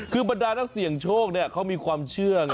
คือบรรดานักเสี่ยงโชคเขามีความเชื่อไง